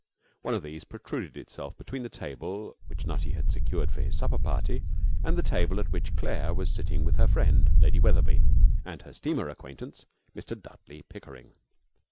One of these protruded itself between the table which Nutty had secured for his supper party and the table at which Claire was sitting with her friend, Lady Wetherby, and her steamer acquaintance, Mr Dudley Pickering.